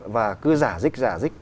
và cứ giả dích giả dích